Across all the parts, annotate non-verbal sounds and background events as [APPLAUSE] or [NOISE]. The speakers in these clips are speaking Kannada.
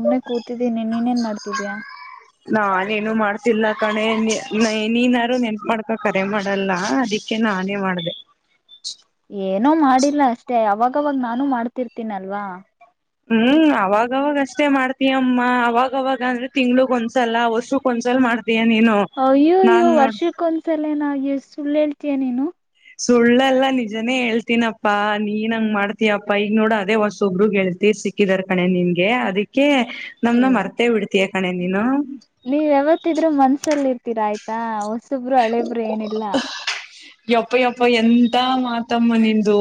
ಒುಮ್ಮೆ ಕೂತಿದ್ದೀನಿ ನೀನ್ೇನ್ ಮಾಡ್ತಿದೀಯಾ ನಾನೇನು ಮಾಡ್ತಿಲ್ಲ ಕಣೆ ನೀ ನೀನ್ಾರು ನೆನ್ಪ ಮಾಡ್ಕ ಕರೆ ಮಾಡಲ್ಲ ಅದಿಕ್ ಅದಕೆ ನಾನೇ ಮಾಡ್ದ ಏನೋ ಮಾಡಿಲ್ಲ ಅಷ್ಟೆ ಅವಾಗವಾಗ ನಾನು ಮಾಡ್ತಿರ್ತೀನಲ್ವಾ ಹ್ಮ್ ಅವಾಗವಾಗ ಅಷ್ಟೇ ಮಾಡ್ತಯಮ್ಮ ಅವಾಗವಾಗ ಅಂದ್ರೆ ತಿಂಗ್ಳಗ್ ಒಂದ್ಸಲ ವರ್ಷಕ್ ಒಂದ್ಸಲ ಮಾಡ್ತ ಅಯ್ಯೋಯ್ಯ ವರ್ಷಕ್ಕೊಂದ್ಸಲ ನ ಸುಳ್ಳು ಹೇಳ್ತಯ ನೀನು ಸುಳ್ಳಲ್ಲಾ ನಿಜನೇ ಹೇಳ್ತೀನಪ್ಪಾ ನೀನ್ ಹಂಗ ಮಾಡ್ತಯಪ್ಪಾ ಈಗ ನೋಡ ಅದೇ ಹೊಸೊಬ್ರಗ್ ಹೇಳ್ತ ಸಿಕ್ಕಿದಾರ್ ಕಣೆ ನಿನ್ಗೆ ಅದಕ್ಕೆ ನಮ್ನ ಏ ಮರ್ತೇ ಬಿಡ್ತೀಯ ಕಣೆ ನೀನು ನೀವ್ ಯಾವತ್ತಿದ್ರರು ಮನ್ಸಲ್ಲಿ ಇರ್ತೀರಾ ಆಯ್ತು ಹಾ ಹೊಸುಬ್ರು ಹಳೇಬ್ರು ಏನಿಲ್ಲ ಯಪ್ಪ ಯಪ್ಪ ಎಂತ ಮಾತಮ್ಮ ನಿಮ್ದು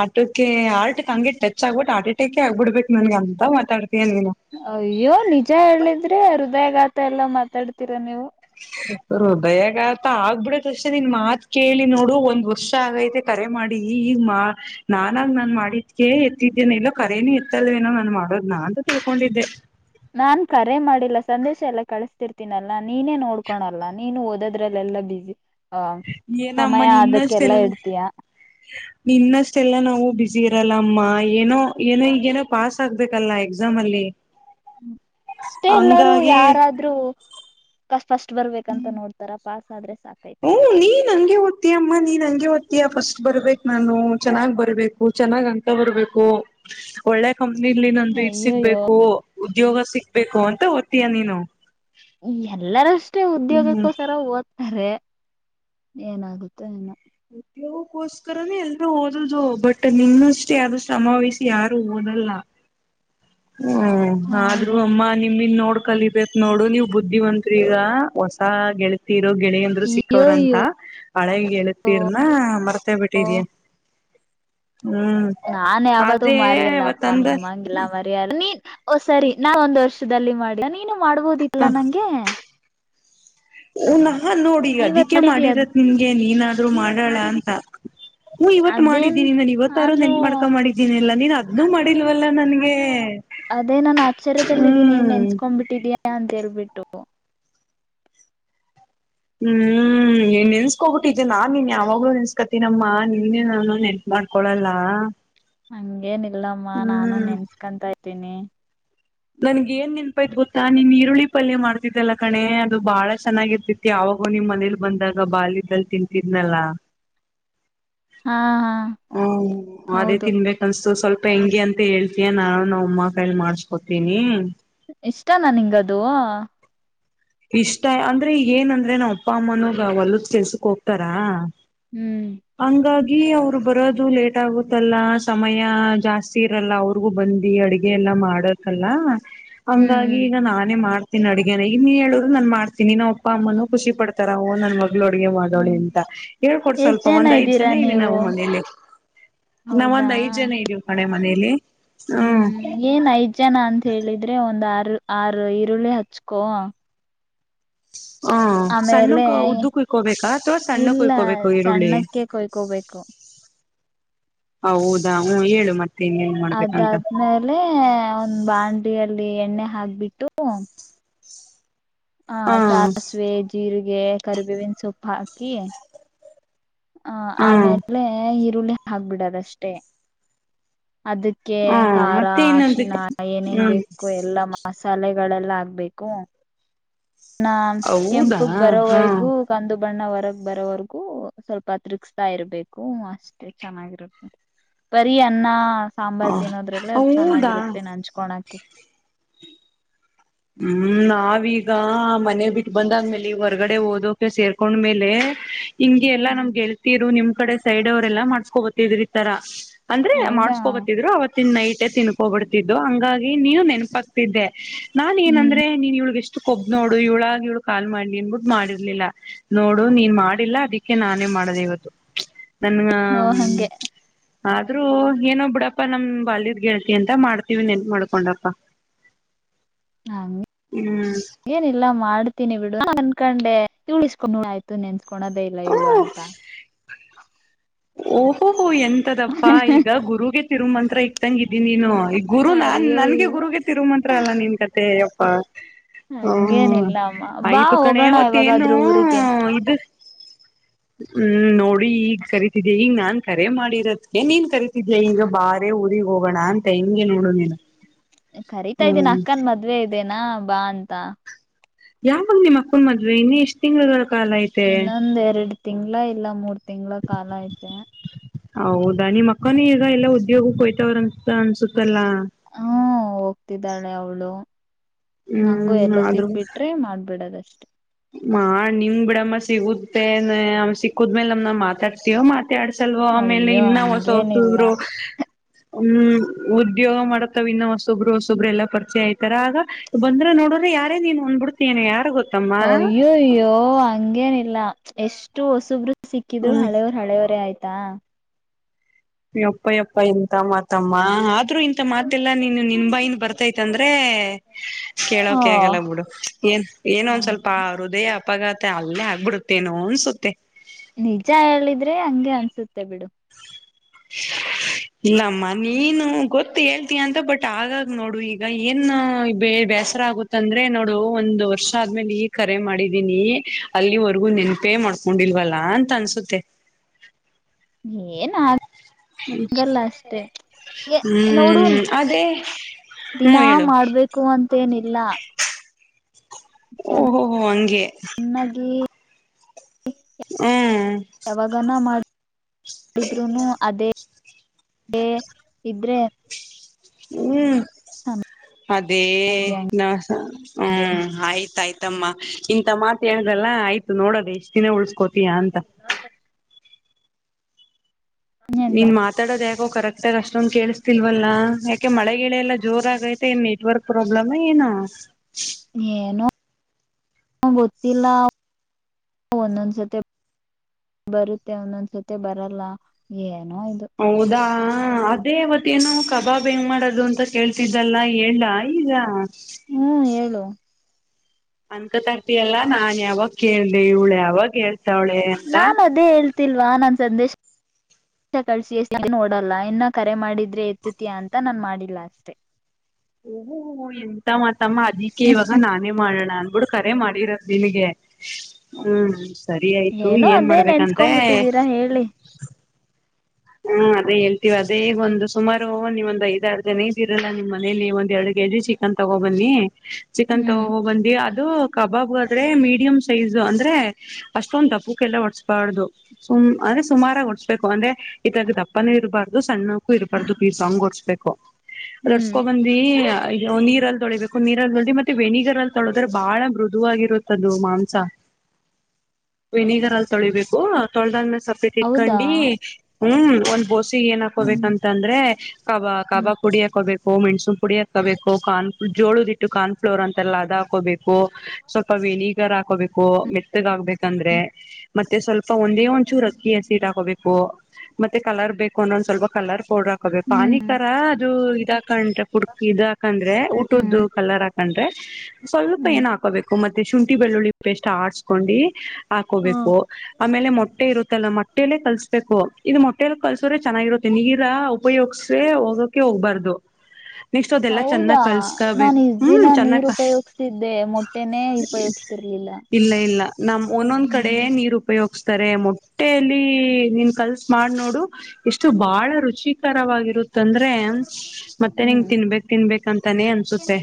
ಆಟುಕ್ಕೆ ಹಾರ್ಟ್ ಗೆ ಹಂಗೆ ಟಚ್ಆಗ್ ಬಿಟ್ಟ್ ಹಾರ್ಟ್ ಅಟ್ಯಾಕ್ ಆಗ್ಬಿಡ್ಬೇಕ್ ನಿಮ್ಗೆ ಅಂತ ಮಾತ್ ಆಡ್ಬಿ ಅಯ್ಯ್ ಏನ್ ನಿಜ ಹೇಳಿದ್ರೆ ಹೃದಯಘಾತ ಎಲ್ಲ ಮಾತಾಡ್ತಿರ ನೀವು ಹೃದಯಘಾತ ಆಗ್ಬಿಡತ್ತೆ ಅಷ್ಟೇ ನಿನ್ ಮಾತ್ ಕೇಳಿ ನೋಡು ಒಂದ್ ವರ್ಷ ಆಗಾಯ್ತೆ ಕರೆಮಾಡಿ ಈ ಈಗ ಮಾ ನಾನಾಗ್ ನಾನ್ ಮಾಡಿದ್ಕೆ ಎತ್ತಿದ್ದೇನೆ ಇಲ್ಲಾಂದ್ರೆ ಕರೇನೂ ಎತ್ತಲ್ಲೇನೋ ಏನೋ ನಾನ್ ಮಾಡೋದ್ನ ತಿಳ್ಕೊಂಡಿದ್ದೆ ನಾನ್ ಕರೆ ಮಾಡಿಲ್ಲ ಸಂದೇಶ ಎಲ್ಲಾ ಕಳಿಸಸ್ತಿರ್ತೀನಲ್ಲಾ ನೀನೇ ನೋಡ್ಕೋಳಲ್ಲಾ ನೀನು ಓದೋದ್ರಲ್ಲೆಲ್ಲ ಎಲ್ಲ ಬಿಸಿ ಆ ಏನಮ್ಮ ಸಮಯ ಅದ್ಕೆಲ್ಲ ನಿನ್ನಷ್ಟೆಲ್ ಇಡ್ತಿಯಾ ನಿನ್ನಷ್ಟೆಲ್ಲಾ ನಾವು ಬ್ಯುಸಿ ಇರಲ್ಲ ಅಮ್ಮ ಏನೋ ಏನೋ ಈಗೇನೋ ಪಾಸ್ ಆಗ್ಬೇಕಲ್ಲ ಎಕ್ಸಾಮ್ ಅಲ್ಲಿ ಅಷ್ಟೇ ಎಲ್ಲಾರೂ ಹಂಗಾಗಿ ಯಾರಾದ್ರೂ ಫಸ್ಟ್ ಫಸ್ಟ್ ಬರ್ಬೇಕಂತ ನೋಡ್ತಾರ ಪಾಸ್ ಆದ್ರೆ ಸಾಕೈತೆ. ಹ್ಮ್ ನೀನ್ ಹಂಗೆ ಓತ್ತಿಯಮ್ಮ ನೀನ್ ಹಂಗೆ ಓಡ್ತಿಯ ಫಸ್ಟ್ ಬರ್ಬೇಕ್ ನಾನು ಚೆನ್ನಾಗ್ ಬರ್ಬೇಕು ಚೆನ್ನಾಗ್ ಅಂಕ ಬರ್ಬೇಕು ಒಳ್ಳೆ ಕಂಪ್ನಿಲ್ಲಿ ನಂದು ಇಟ್ ಅಯ್ಯಯ್ಯೋ ಸಿಗ್ಬೇಕು ಉದ್ಯೋಗ ಸಿಗ್ಬೇಕು ಅಂತ ಓತ್ತಿಯ ನೀನು ಎಲ್ಲರು ಅ ಷ್ಟೇ ಹ್ಮ್ ಉದ್ಯೋಗಕ್ಕೋಸ್ಕರ ಓದ್ತಾರೆ ಏನಾಗುತ್ತೋ ಏನೋ ಉದ್ಯೋಗಕ್ಕೋಸ್ಕರನೇ ಎಲ್ರು ಓದದು ಬಟ್ ನಿನ್ನಸ್ಟ್ ಯಾರು ಶ್ರಮ ವಹಿಸಿ ಯಾರು ಓದ [UNINTELLIGIBLE] ಲ್ಲ [INAUDIBLE] ಹ್ಮ ಆದ್ರೂ ಹೌದೌದು ಅಮ್ಮ ನಿಮಿಗ್ ನೋಡ್ ಕಲಿಬೇಕಕ್ ನೋಡು ನೀವು ಬುದ್ಧಿವಂತ್ರೀಗ ಹೊಸ ಗೆಳತಿ ಯರು ಗೆಳೆಯಂದ್ರು ಸಿಕ್ಕವ್ರ ಅಂತ ಅಯ್ಯಯ್ಯೋ ಹಳೆ ಗೆಳ ತಿರ್ನ ಮರ್ತೆ ಬಿಟ್ಟಿದೀಯ ಹ್ಮ್ ನಾನ್ ಯಾವತ್ತೂ ಅದೇ ಮರಿಯಲ್ಲಪ್ಪ ಅವತ್ತಂದ ನಿಮ್ಮಂಗೆಲ್ಲ ಮರಿಯಲ್ಲ ನೀ ಓ ಸರಿ ನಾವ ಒಂದ್ ವರ್ಷದಲ್ಲಿ ಮಾಡಿಲ್ಲ ನೀನು ಮಾಡ್ಬೋದಿತ್ತಲ್ಲ ನಂಗೆ. ಹೊ ನಾನ್ ನೋಡಿ ಇವತ್ ಅದಿಕೆ ಮಾಡಿದೀಯ ಅದು ಮಾಡಿರದ್ ನಿಮ್ಗೆ ನೀನಾದ್ರೂ ಮಾಡಣ ಅಂತ ಹು ಇವತ್ ಅದೇನ್ ಮಾಡಿದೀನಿ ನಾನ್ ಇವತ್ತಾರು ನಾನು ನೆನ್ಪ್ ಮಾಡ್ಕೊಂಡ್ ಮಾಡಿದ್ದೀನಿ ಅಲ್ಲ ನೀನ್ ಅದ್ ಅದೂ ಮಾಡಿಲ್ವಲ್ಲ ನನ್ಗೆ. ಅದೇ ನಾನ್ ಆಶ್ರ್ಯದಲ್ಲಿದ್ದೀನಿ ಹ್ಮ್ ನೆನ್ಸ್ಕೊಂಡ್ಬಿಟ್ಟಿದಿಯಾ ಅಂತ ಹೇಳ್ಬಿಟ್ಟು. [UNINTELLIGIBLE] ಹ್ಮ್. ಹ್ಮ್ ನೀನ್ ನೆನ್ನ್ಸ್ಕೊಬಿಟ್ಟಿದ್ದೆ ನಾನ್ ನೀನ್ ಯಾವಾಗ್ಲೂ ನೆನ್ಸ್ಕೋತೀನಮ್ಮ ನಿನ್ ನಾನು ನೆನ್ಪ್ ಮಾಡ್ಕೊಳಲ್ಲಾ. ಹಂಗೇನ್ ಇಲ್ಲಮ್ಮ ನಾನು ನೆನ್ಸ್ಕಂತಾ ಇರ್ತಿನಿ. ನನ್ಗ ಏನ್ ನೆನ್ಪಾಯ್ತ್ ಗೊತ್ತಾ ನೀನ್ ಈರುಳ್ಳಿ ಪಲ್ಯ ಮಾಡ್ತಿದ್ದ್ಯಾಲ್ಲ ಕಣೇ ಅದು ಬಾಳ ಚೆನ್ನಾಗಿರ್ತಿತ್ತು ಯಾವ ಹೋಗೋ ನಿಮ್ ಮನೇಲಿ ಬಂದಾಗ ಬಾಲ್ಯದಲ್ಲಿ ತಿಂತಿದ್ನಲ್ಲ. ಹಾ ಹಾ. ಹ್ಮ ಅದೇ ಹೌದು ತಿನ್ಬೇಕ್ ಅನ್ಸ್ತು ಸ್ವಲ್ಪ್ ಪೆಂಗಿ ಅಂತ ಹೇಳ್ತಿಯ ನಾನು ನಮ್ ಅಮ್ಮ ಲಕೈಲಿ ಮಾಡ್ಸ್ಕೊತೀನೀ. ಇಷ್ಟನಾ ನಿಂಗ್ ಅದೂ ಇಷ್ಟ ಅಂದ್ರೆ ಏನಂದ್ರೆ ನಮ್ ಅಪ್ಪ ಅಮ್ಮನೂ ಹೊಲ್ಲದ ಕೆಲ್ಸಕ್ ಹೋಗ್ತಾರಾ ಹ್ಮ್. ಈ ಅವ್ರು ಬರೋದು ಲೇಟ್ ಆಗುತ್ತಲ್ಲ ಸಮಯ ಜಾಸ್ತಿ ಇರಲ್ಲ ಅವ್ರಿಗೂ ಬಂದಿ ಅಡಗೆ ಎಲ್ಲ ಕ್ಕ ಮಾಡಕಲ್ಲ ಹ್ಮ್ ಹಂಗಾಗಿ ಹ್ಮ್ ಈಗ ನಾನೇ ಮಾಡ್ತೀನಿ ಅಡ್ಗೆನ ಇನ್ಹೇಳು ಹ್ಮ್ ನಾನ್ ಮಾಡ್ತೀನಿ ನಮ್ ಅಪ್ಪ ಅಮ್ಮನು ಖುಷಿ ಪಡ್ತಾರ [UNINTELLIGIBLE] ನನ್ ಮ ಮಗ್ಳೋಡ್ಗೆ ಮಾಡೋಳ ಹ್ಮ್ ಅಂತ ಹೇಳ್ಕೊಡ್ ಎಷ್ಟ್ ಸ್ವಲ್ಪ ಒಂದ್ ಐದ್ ಇದ್ದೀರಾ ಜನ ಇವಿ ನೀವು ನಾವು ಮನೇಲಿ. ನಾವ ಹೌದಾ ಒಂದ್ ಐದ್ ಜನ ಇದ್ದೀವ್ ಕಣೆ ಮನೇಲಿ. ಹ್ಮ್ ಏನ್ ಐದ್ ಜನ ಅಂತ್ ಹೇಳಿದ್ರೆ ಒಂದ್ ಆರು ಆರು ಈರುಳ್ಳಿ ಹಚ್ಕೊ. ಹ ಆಮೇಲೇ ಸಣ್ಣಕ್ ಉದ್ದು ಕುಯ್ಕೋಬೇಕಾ ಅಥವಾ ಸಣ್ಣ ಇಲ್ಲ ಕುಯ್ಕೋಬೇಕು ಈರುಳ್ಳಿ ಸಣ್ಣಕ್ಕೆ ಕೊಯ್ಕೋಬೇಕು. [INAUDIBLE] ಹೌದಾ ಹು ಹೇಳು ಮತ್ತ್ ಅದಾದ್ಮೇಲೆ ಒಂದ್ ಬಾಂಡಲೀಯಲ್ಲಿ ಎಣ್ಣೆ ಹಾಕ್ಬಿಟ್ಟು ಹ ಸಾಸಿವೆ ಜೀರಿಗೆ ಕರಿಬೇವಿನ ಸೊಪ್ಪು ಹಾಕಿ ಹ ಆಮೇಲೆ ಈರುಳ್ಳಿ ಹಾಕ್ಬಿಡದಷ್ಟೇ. ಅದಕ್ಕೆ ಹ ಖಾರ ಮತ್ತೆ ಇನ್ನೊಂದು ಅರಶಿನ ಏನೇನ್ ಹ್ಮ್ ಬೇಕು ಎಲ್ಲಾ ಮಸಾಲೆ ಗಳೆಲ್ಲ ಆಗ್ಬೇಕು. ನಾ ಹೌದಾ ಕೆಂಪಗ್ ಹಾ ಬರೋವರ್ಗೂ ಕಂದು ಬಣ್ಣವರಗ್ ಬರೋವರ್ಗೂ ಸ್ವಲ್ಪ ತಿರ್ಗ್ಸ್ತಾ ಇರ್ಬೇಕೂ ಅಷ್ಟೆ ಚೆನ್ನಾಗಿರುತ್ತೆ. ಬರೀ ಅನ್ನ ಸಾಂಬಾರ್ ತಿನ್ನೋದ್ರಲ್ಲೇ ಅದು ಹೌದಾ ಚೆನ್ನಾಗಿರುತ್ತೆ ನಂಚ್ಕೊಣಕ್ಕೆ. ಹ್ಮ್ ನಾವೀಗ ಮನೆ ಬಿಟ್ಟು ಬಂದಾದ್ಮೇಲೆ ಹೊರ್ಗಡೆ ಓದೋಕೆ ಸೇರ್ಕೊಂಡ್ಮೇಲೇ ಹಿಂಗೆ ಎಲ್ಲಾ ನಮ್ ಹ್ಮ್ ಗೆಲ್ತಿರು ನಿಮ್ ಕಡೆ ಸೈಡ್ ಅವ್ರೆಲ್ಲ ಮಾಡ್ಸ್ಕೋಬತಿದ್ರ್ ಈ ತರ. ಅಂದ್ರೆ ಹೌದಾ ಮಾಡ್ಸ್ಕೊಬತಿದ್ರು ಅವರ ತ್ತಿನ್ ನೈಟೆ ತಿನ್ಕೋಬಿಡ್ತಿದ್ದೋ ಹಂಗಾಗಿ ನೀನು ನೆನಪಾಗ್ತಿದ್ದೆ ನಾನ್ ಹ್ಮ್ ಏನಂದ್ರೆ ನೀನ್ ಇವ್ಳ್ಗ್ ಇಷ್ಟ್ ಕೊಬ್ಬ್ ನೋಡು ಇವ್ಳಾಗಿ ಇವಳು ಕಾಲ್ ಮಾಡಿ ನೀನ್ ಬಿಟ್ಟು ಮಾಡಿರ್ಲಿಲ್ಲ ನೋಡು ನೀನ್ ಮಾಡಿಲ್ಲಾ ಅದಕ್ಕೆ ನಾನೇ ಮಾಡ್ ಮಾಡದೆ ಇವತ್ತು. [INAUDIBLE] ನನ್ಗಾ ಓ ಹ್ಮ್ ಹಂಗೆ ಆದ್ರೂ ಏನೊ ಬಿಡಪ್ಪಾ ನಮ್ಮ್ ಬಾಲ್ಯದ್ ಗೆಳ್ತಿ ಅಂತ ಮಾಡ್ತೀವಿ ನೆನಪು ಮಾಡ್ಕೊಂಡಪ್ಪಾ. ಹಂಗೆ ಏನಿಲ್ಲ ಮಾಡ್ತೀನಿ ಬಿಡು [UNINTELLIGIBLE] ಕಂಡೆ ಇಳಿಸ್ಕೊಂಡು ಆಯ್ತು ನೆನ್ಸ್ಕೊಣದೇ ಇಲ್ಲ ಇವಳು ಹ್ಮ್ ಅಂತ. ಓಹೋಹೋ ಎಂತದಪ್ಪಾ ಈಗ ಗುರುಗೆ ತಿರುಮಂತ್ರ ಇಟ್ಟಂಗ ಇದೀ ನೀನು. ಈ ಗುರು ನಾನ್ ಅಯ್ಯೋ ನನ್ಗೆ ಅಯ್ಯೋ ಗುರುಗೆ ತಿರುಮಂತ್ರ ಅಲ್ಲ ನಿನ್ ಕತೆ ಯಪ್ಪ. ಹ್ಮ ಹಂಗೇನಿಲ್ಲ ಅಮ್ಮ ಬಾ ಆಯ್ತು ಕಣೇ ಹೋಗೋಣ ಅವತೇನೂ ಯಾವಾಗಾದ್ರೂ ಊರಿಗೆ ಇದು. ಹ್ಮ್ ನೋಡಿ ಈಗ ಸರಿ ಈಗ ನಾನ್ ಕರೆ ಮಾಡಿರೋದಕ್ಕೆ ನೀನ್ ಕರಿತಿದೀಯ ಈಗ ಬಾರೆ ಊರಿಗ್ ಹೋಗೋಣ ಅಂತ ಹೆಂಗೆ ನೋಡು ನೀನು ಕರಿತಾ ಇದೀನ ಹ್ಮ್ ಅಕ್ಕನ್ ಮದ್ವೆ ಇದೇನಾ ಬಾ ಅಂತ ಯಾವಾಗ ನಿಮ್ಮ ಅಕ್ಕನ್ ಮದ್ವೆ ಇನ್ನ ಎಷ್ಟ್ ತಿಂಗಳುಗಳ ಕಾಲ ಐತೆ ತಿಂಗಳ ಇಲ್ಲ ಮೂರ್ ತಿಂಗಳ ಕಾಲ ಐತೆ ಹೌದಾ ನಿಮ್ಮ ಅಕ್ಕನು ಈಗ ಎಲ್ಲೋ ಉದ್ಯೋಗಕೆ ಹೋಯ್ತವರ ಅನ್ಸುತ್ತಲ್ಲಾ ಹಾ ಹೋಗ್ತಿದ್ದಾಳೆ ಅವಳು ನಂಗು ಹ್ಮ್ ಎಲ್ಲೋ ಸಿಕ್ಬಿಟ್ರೆ ಮಾಡ್ಬಿಡದಷ್ಟೇ ಮಾ ನಿಂಗ್ ಬಿಡಮ್ಮ ಸಿಗುತ್ತೇ ಸಿಕ್ಕ್ಮೇಲೆ ನಮ್ನ ಮಾತಾಡ್ತೀಯೋ ಮಾತಾ ಮಾತೆ ಆಡ್ಸಲ್ವ ಆಮೇಲೆ ಅಯ್ಯೋ ಇನ್ನ ಹೊಸ ಹಂಗೇನಿಲ್ಲ ಹೋಗ್ತಿದ್ರು ಹ್ಮ್ ಉದ್ಯೋಗ ಮಾಡತ್ತಾವನ್ನು ಹೊಸೊಬ್ರು ಹೊಸೊಬ್ರು ಎಲ್ಲಾ ಪರಿಚಯ ಆಯ್ತಾರ ಆಗ ಬಂದ್ರೆ ನೋಡಿದ್ರೆ ಯಾರೇ ನೀನ್ ಹೊಂದ್ಬಿಡ್ತೀನೋ ಯಾರು ಗೊತ್ತಮ್ಮ ಅಯ್ಯ ಅಯ್ಯೋ ಹಂಗೇನಿಲ್ಲ ಎಷ್ಟು ಹೊಸೊಬ್ರು ಸಿಕ್ಕಿದ್ರು ಹ್ಮ್ ಹಳೆಯವರು ಹಳೆಯವರೇ ಆಯ್ತು ತಾ ಯಪ್ಪಯಪ್ಪ ಎಂತ ಮಾತಮ್ಮ ಸಾಥ್ರು ಇಂತ ಮಾತ್ಲ್ಯಲ ನೀನು ನಿನ್ ಬಾಯನ್ ಬರ್ತೈತ್ ಅಂದ್ರೆ ಓ ಕೇಳೋಕೆ ಆಗಲ್ಲ ಬಿಡು ಏನ್ ಏನೋ ಹ ಒಂದ್ ಸ್ವಲ್ಪ ಹೃದಯ ಅಪಘಾತ ಅಲ್ಲೇ ಆಗ್ಬಿಡುತ್ತೇನೋ ಅನ್ಸುತ್ತೆ ನಿಜ ಹೇಳಿದ್ರೆ ಹಂಗೆ ಅನ್ಸುತ್ತೆ ಬಿಡು [UNINTELLIGIBLE] ಇಲ್ಲಮ್ಮ ನೀನು ಗೊತ್ತು ಹೇಳ್ತೀಯ ಅಂತ ಬಟ್ ಆಗಾಗ್ ನೋಡು ಈಗ ಏನು ಬೇಬೇ ಹೆಸರ ಆಗುತ್ತ ಅಂದ್ರೆ ನೋಡು ಒಂದ್ ವರ್ಷ ಆದ್ಮೇಲೆ ಈ ಕರೆ ಮಾಡಿದೀನಿ ಅಲ್ಲಿವರೆಗೂ ನೆನ್ಪೆ ಮಾಡ್ಕೊಂಡಿಲ್ವಲ್ಲಾ ಅಂತ ಅನ್ಸುತ್ತೆ ಏ ನಾ ಗಲ್ಲ ಅಷ್ಟೆ ಎ ನೋಡು ಹ್ಮ್ ಅದೇ ಹ್ಮ ದಿನಾ ಹೇಳು ಮಾಡ್ಬೇಕು ಅಂತೇನಿಲ್ಲ ಓಹೋಹೋ ಹಂಗೆ ಹ್ಮ್ ಯಾವಾಗಾನ ಮಾಡಿದ್ರು ಅದೇ ಏ ಇದ್ರೆ ಹ್ಮ್ ಅದೇ ನ ಹ್ಮ ಆಯ್ತಾಯ್ತು ತಮ್ಮ ಇಂತ ಮಾತ ಹೇಳ್ದಲ್ಲ ಆಯ್ತು ನೋಡದೆ ಇಷ್ಟು ದಿನ ಉಳ [UNINTELLIGIBLE] ನಕು ನಾಾನ ಲಕ್ಷ [UNINTELLIGIBLE] ನೀನ್ ಮಾತಾಡೋದ ಯಾಕ [UNINTELLIGIBLE] ಕರೆಕ್ಟ್ ಆಗಿ ಅಷ್ಟೊಂದು ಕೇಳಸ್ತಿಲ್ವಲ್ಲಾ ಯಾಕೆ ಮಳೆಗಿಳೆಲ್ಲ ಜೋರ ಆಗೈತೆ ಏನ್ ನೆಟ್ವರ್ಕ್ ಪ್ರಾಬ್ಲಮ್ ಏ [UNINTELLIGIBLE] ಹ [UNINTELLIGIBLE] ಏನು ಗೊತ್ತಿಲ್ಲ ಒಂದೊಂದ್ಸತಿ ಬರುತ್ತೆ ಒಂದೊಂದ್ಸತಿ ಬರಲ್ಲ ಏ ಹೌದಾ [UNINTELLIGIBLE] ಹಾ ಅದೇವತ್ತೇನು ಕಬಾಬ್ ಹೆಂಗ್ ಮಾಡೋದು ಅಂತ ಕೇಳ್ತಿದ್ದಲ್ಲ ಎಲ್ಲ ಈಗ ಹ್ಮ್ ಹೇಳು ಅಂತ ತರ್ತಿಯಲ್ಲಾ ನಾನ್ ಯಾವಾಗ ಕೇಳ್ದ ಇವಳು ಯಾವಾಗ ಹೇಳ್ತಾವಳೆ ಅಂತ [UNINTELLIGIBLE] ಲ್ವಾ [UNINTELLIGIBLE] ನನ್ ಸಂದೇಶ ಕಿಸಿ ನೋಡಲ್ಲ ಇನ್ನ ಕರೆ ಮಾಡಿದ್ದ [UNINTELLIGIBLE] ಇದ್ರೆ ಎತ್ತತಿಯಾ ಅಂತ ನಾನನ್ ಮಾಡಿಲ್ಲ ಅಷ್ಟೇ ಓಹೋ ಎಂತ ಮಾತಮ್ಮ ಅದಕ್ಕೆ ಇವಾಗ ನಾನೇ ಮಾಡೋಣ ಅಂತ [UNINTELLIGIBLE] ಬಿಡು ಕರೆ ಮಾಡಿರದ ನಿನಗೆ ಹ್ಮ್ ಸರಿ ಆಯ್ತು ಏನೋ ಏನ್ ಅದೇ ಮಾಡ್ಬೇಕಂದ್ರೆ ನೆನ್ಸ್ಕೊಂಡ್ ಬಿಟ್ಟಿದ್ದೀರಾ ಹೇಳಿ ಹಾ ಅದೇ ಹೇಳ್ತೀವಿ ಅದೇಗ ಒಂದು ಸುಮಾರು ನೀವೊಂದಂದು ಐದಾರು ಜನ ಇದ್ದಿರಲ್ಲ ನಿಮ್ಮ ಮನೇಲಿ ಒಂದ್ ಎರಡು ಚಿಕನ್ ತಗೋ ಬನ್ನಿ ಚಿಕನ್ ಹ್ಮ್ ತಗೋ ಬಂದಿ ಅದು ಕಬಾಬ್ ಮೀಡಿಯಂ ಸೈಜ್ ಅಂದ್ರೆ ಅಷ್ಟೊಂದ ಧಪ್ಪುಕ್ಕೆಲ್ಲ ಹೊಸ್ಬಾರ್ದು ಸುಾಮರು [UNINTELLIGIBLE] ಓಡ್ಸ್ಬೇಕು ಅಂದ್ರೆ ಇದಾಗ ದಪ್ಪನ ಇರಬಾರ್ದು ಸಣ್ಣಕ್ಕೂ ಇರಬಾರ್ದು ಪೀಸಾಂಗ್ ಓಡ್ಸ್ಬೇಕು ಹ್ಮ್ ಡ್ಸ್ಕೊ ಬಂದಿ [UNINTELLIGIBLE] ನೀರಲ್ಲಿ ತೊಳಿಬೇಕು ನೀರಲ್ಲಿ ತೊಳಿ ಮತ್ತೆ ವೆನಿಗರ್ ಅಲ್ಲಿ ತೊಳದ್ರೆ ಬಹಳ ಮೃದುವಾಗಿರುತ್ತದು ಮಾಂಸ ಹ [INAUDIBLE] [UNINTELLIGIBLE] ವಿನಿಗರ್ ಅಲ್ಲಿ ತೊಳಿಬೇಕು ತೊಳೆದಾದ್ಮೇಲೆ ಸಪ್ರೇಟ್ ಹೌದಾ ಇಟ್ಕೊಂಡು [UNINTELLIGIBLE] ಹ್ಮ್ ಒಂದ್ ಬೋಸೆ ಏನ್ ಹ್ಮ್ ಹಾಕೋಬೇಕಂತ ಅಂದ್ರೆ ಕಬಾ ಹ್ಮ್ ಕಬಾಬ್ ಪುಡಿ ಹಾಕೋಬೇಕ ಹ ಮೆಣಸುನ್ ಪುಡಿ ಹಾಕೋಬೇಕು ಕಾರ್ನ್ ಜೋಳದ ಇಟ್ಟು ಕಾರ್ನ್ ಫ್ಲೋರ್ ಅಂತೆ ಎಲ್ಲ ಅದ ಹಾಕೋಬೇಕು ಸ್ವಲ್ಪ ವನಿಗರ್ ಹಾಕೋಬೇಕು ಮೆತ್ತಗಾಗಗ್ಬೇಕು [UNINTELLIGIBLE] ಯಂದ್ರೆ ಮತ್ತೆ ಸ್ವಲ್ಪ ಒಂದೇ ಒಂದ್ಚೂರಕ್ಕಿ ಹಸಿಟ್ಕೋಬೇಕು ಮತ್ತೆ ಕಲರ್ ಬೇಕು [UNINTELLIGIBLE] ಸ್ವಲ್ಪ ಕಲರ್ ಪೌಡ್ರ ಹಾಕೋಬೇಕು ಹ್ಮ್ ಪಾನಿಕರ ಅದು ಇದಾಕಂಡ್ರೆ ಕುುಡ್ಕ ಇದ ಹಾಕಂದ್ರೆ ಹ್ಮ್ ಊಟದ್ದು ಕಲರ್ ಹಾಕ್ [UNINTELLIGIBLE] ಸ್ವಲ್ಪ ಹ್ಮ್ ಏನ್ ಹಾಕೋಬೇಕು ಮತ್ತೆ ಶುಂಠಿ ಬೆಳ್ಳುಳ್ಳಿ ಪೇಸ್ಟ್ ಆಡ್ಸ್ಕೊಂಡಿ ಹಾಕೋಬೇಕು ಆಮೇಲೆ ಮೊಟ್ಟೆ ಇರುತ್ತಲ್ಲ ಮೊಟ್ಟೆಯಲ್ಲೇ ಕಲ್ಸ್ಬೇಕು ಇದು ಮೊಟ್ಟೆೆಯಲ್ಲಿ ಕಲ್ಸ್ರೆ ಚೆನ್ನಾಗಿರುತ್ತೆ ನೀರ ಉಪಯೋಗಸ್ರೆ ಹೋಗಕೆ ಹೋಗ್ಬಾರ್ದು ನೆಕ್ಸ್ಟ್ ಅದೆಲ್ಲ ಹೌದಾ ಚೆನ್ನಾಗ್ ನಾನು ಕಲ್ಸ್ಕೊಬೇಕು ಇಷ್ಟ ದಿನ ಹ್ಮ್ ನೀರ್ ಚೆನ್ನಾಗ ಉಪಯೋಗ್ಸ್ತಿದ್ದೆ ಮೊಟ್ಟೆನೇ [UNINTELLIGIBLE] ಉಪಯೋಗ್ಸ್ತಿರ್ಲಿಲ್ಲ ಇಲ್ಲ ಇಲ್ಲ ನಮ ಒಂದೊಂದ್ ಕಡೆ ಹ್ಮ್ ನೀರ್ ಉಪಯೋಗ [UNINTELLIGIBLE] ಹ್ತಾರೆ ಮೊಟ್ಟೆೆಯಲ್ಲಿ ನೀನ್ ಕಲ್ [UNINTELLIGIBLE] ಮಾಡ್ ನೋಡು ಎಷ್ಟು ಬಹಳ ರುಚಿಕರವಾಗಿರುತ್ತ [UNINTELLIGIBLE] ತೊಂದ್ರೆ ಮತ್ತೆ ನಿಂಗ ತಿನ್ಬೇಕ್ ತಿನ್ಬೇಕ್ಂತಾನೇ ಅನ್ಸುತ್ತೆ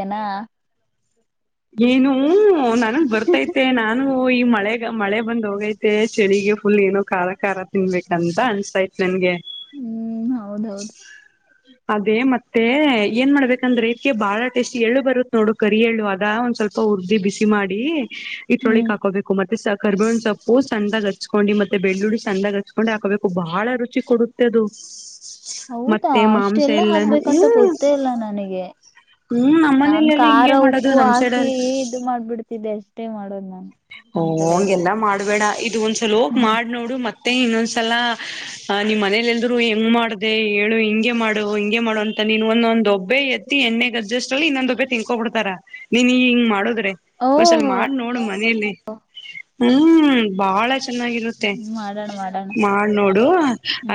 ೇನಾ ಏನು ನನಗ್ ಬರ್ತೈತೆ ನಾನು ಹ ಈ ಮಳೆಗ ಮಳೆ ಬಂದ್ ಹೋಗೈತೆ ಚಳಿಗೆ ಫುಲ್ ಏನೋ ಖರಾ ಖಾರ ತಿನ್ಬೇಕಂತ ಅನ್ಸ್ತಾತ್ ನನ್ಗೆ ಹ್ಮ್ ಹೌದೌದು ಅದೇ ಮತ್ತೆ ಏನ್ ಮಾಡ್ಬೇಕಂದ್ರೆ ಬಾಳ ಟೇಸ್ಟಿ ಎಳ್ಳು ಬರುತ್ ನೋಡು ಕರಿ ಎಳ್ಳು ಅದ ಒಂದ ಸ್ವಲ್ಪ ಉರ್ದಿ ಬಿಸಿ ಮಾಡಿ ಇಟೂಳಿಕ್ ಹ್ಮ್ ಹಾಕೋಬೇಕು ಮೆ [UNINTELLIGIBLE] ಕರ್ಬೇವಣ್ ಸೊಪ್ಪು ಸ್ಣಾಗ ಹಚ್ಕೊಂಡಿ ಮತ್ತೆ ಬೆಳ್ಳುಳ್ಳಿ ಸಣ್ಣಾಗ ಹಚ್ಕೊಂಡು ಹಾಕೋಬೇಕು ಬಹಳ ರುಚಿ ಕೊಡುತ್ತೆ ಅದು ಹೌದಾ ಮತ್ತೆ ಅಷ್ಟ ಮಾಂಸ ಎಲ್ಲ ಎಲ್ಲಾನು ಹಾಕ್ಬೇಕಂತ ಹ್ಮ್ ಗೊತ್ತೇ ಇಲ್ಲ ನನಗೆ ಹ್ಮ್ ನಾನ್ ನಮ್ಮನೇಲೆಲ್ಲ ಖಾರ ಹಿಂಗೆ ಮಾಡೋದು ಉಪ್ಪು ನಮ್ ಹಾಕಿ ಸೈಡಲ್ಲಿ ಇದು ಮಾಡ್ಬಿಡ್ತಿದ್ದೆ ಅಷ್ಟೇ ಮಾಡೋದ ಮಾಡ ಹಓ ಹಂಗೆಲ್ಲಾ ಮಾಡಬೇಡ ಇದು ಒಂದ್ಸಲ ಹೋಗ ಹ್ಮ್ ಮಾಡ್ ನೋಡು ಮತ್ತ ಮತ್ತೆ ಇನ್ನೊಂದ್ಸಲ ನಿಮ್ ಮನೇಲಿ ಎಲ್್ರು ಹೆಂಗ್ ಮಾಡ್ದ ಹೇಳು ಹಿಂಗೆ ಮಾಡು ಹಿಂಗೆ ಮಾಡು ಅಂತ ನೀನ್ ಒಂದೊಂದ್ೊಬ್ಬೆ ಎತ್ತಿ ಎಣ್ಣೆಗಜ್ಜಸ್ಟ್ ಅಲ್ಲಿ ಇನ್ನೊಂದೊಬ್ಬೆ ತಿನ್ಕೊ ಬಿಡ್ತಾರ ನೀನ್ ಈ ಹಿಂಗ ಮಾಡುದ್ರ ಒಂದ್ಸಲ ಓಹೋ ಮಾಡ ನೋಡು ಮನೇಲಿ ಹ್ಮ ಬಾಳ ಚೆನ್ನಾಗಿರುತ್ತೆ ಮಾಡೋಣ ಮಾಡೋಣ ಮಾಡ ನೋಡು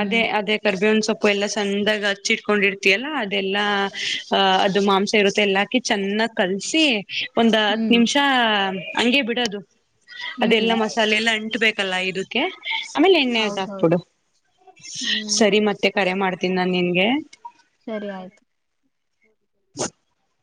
ಅದೇ ಅದೇ ಕಬ ಕಪ್ಪು ಎಲ್ಲ ಚಂದಾಗ ಹಚ್ಚಿ ಇಟ್ಕೊಂಡಿರ್ತಿಯಲ್ಲಾ ಅದೆಲ್ಲಾ ಅ ಅದು ಮಾಂಸ ಇರುತ್ತೆ ಎಲ್ಲಾ ಕಿ ಚೆನ್ನಾಗ್ ಕಲ್ಸಿ ಒಂದ್ ಹತ್ ಹ್ಮ್ ನಿಮಿಷ ಹಂಗಗೆ ಬಿಡೋದು ಹ್ಮ್ ಅದೆಲ್ಲ ಮಸಾಲೆ ಎಲ್ಲ ಅಂಟಬೇಕಲ್ಲ ಇದಕ್ಕೆ ಆಮೇಲೆ ಎಣ್ಣೆಾಗ ಹೌದೌದು ಹಾಕ್ಬಿಡು ಹ್ಮ್ ಸರಿ ಮತ್ತೆ ಕರೆ ಮಾಡ್ತೀನಿ ನಾನ್ ನಿನ್ಗೆ ಆಯ [UNINTELLIGIBLE] [INAUDIBLE]